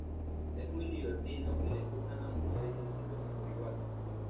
Es muy libertino, y le gustan las mujeres y la cerveza por igual.